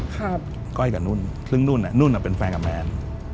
ก้อยกับนุ่นซึ่งนุ่นนุ่นเป็นแฟนกับแมน